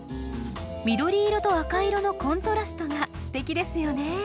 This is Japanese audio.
緑色と赤色のコントラストがすてきですよね。